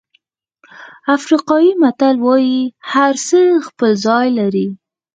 افریقایي متل وایي هرڅه خپل ځای لري.